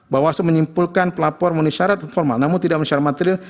bahwa soeri menyimpulkan pelapor menisyarat formal namun tidak menisyarat material